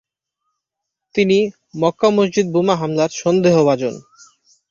তিনি মক্কা মসজিদ বোমা হামলার সন্দেহভাজন।